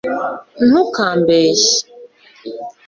ntukambeshye